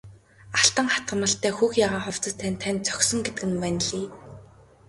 Алтан хатгамалтай хөх ягаан хувцас тань танд зохисон гэдэг нь ванлий!